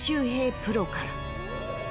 プロから